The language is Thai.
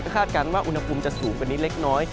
ก็คาดการณ์ว่าอุณหภูมิจะสูงเป็นนิดเล็กน้อย